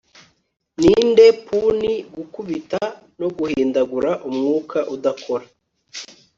ninde puny gukubita no guhindagura umwuka udakora